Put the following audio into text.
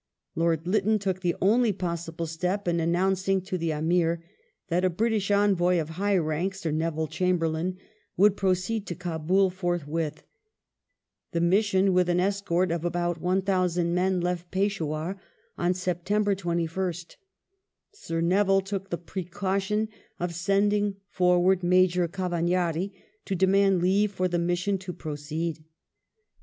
Lord Lytton took the only possible step in announcing to the Amir that a Bntish Envoy of high rank, Sir Neville Chamberlain, would proceed to Kdbul forthwith. The mission, with an escort of about 1,000 men, left Peshdwai" on September 21st. Sir Neville took the precaution of sending forwaixl Major Cavagnari to demand leave for the mission to proceed.